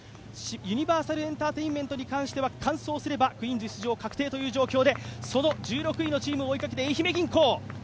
ユニバーサルエンターテインメントに関しては完走すればクイーンズ確定という状況でその１６位のチームを追いかけて愛媛銀行。